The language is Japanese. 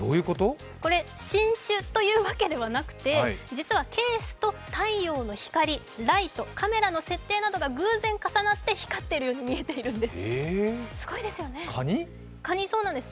これ新種というわけではなく、実はケースと太陽の光、ライト、カメラの設定などが偶然重なって光っているように見えているんです。